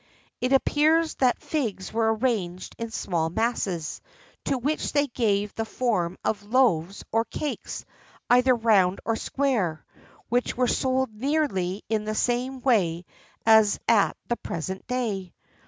It appears that figs were arranged in small masses, to which they give the form of loaves or cakes, either round or square, which were sold nearly in the same way as at the present day.